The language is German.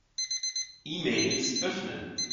E-Mails öffnen.